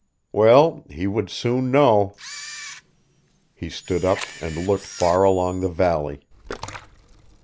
Well, he would soon know. He stood up and looked far along the valley.